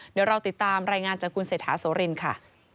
เดี๋ยวเราติดตามรายงานจังกุญเสถาโสรินค่ะ